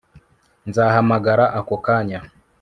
Nzahamagara ako kanya